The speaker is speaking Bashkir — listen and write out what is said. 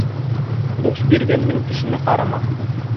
Дуҫ биргәндең тешенә ҡарама.